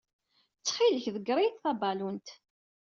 Ttxil-k, ḍegger-iyi-d tabalunt.